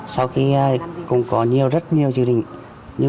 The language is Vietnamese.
sau khi cũng có rất nhiều gia đình